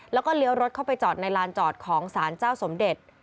แล้วก็เลี้ยวรถเข้าไปจอดในลานจอดของสารเจ้าสมเด็จ